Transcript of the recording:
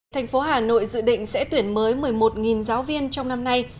thành phố hà nội dự định sẽ tuyển mới một mươi một giáo viên trong năm nay